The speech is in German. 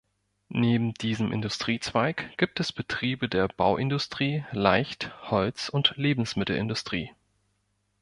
Neben diesem Industriezweig gibt es Betriebe der Bauindustrie, Leicht-, Holz- und Lebensmittelindustrie.